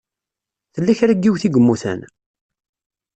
Tella kra n yiwet i yemmuten?